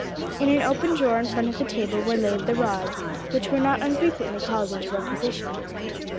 In an open drawer in front of the table were laid the rods, which were not unfrequently called into requisition.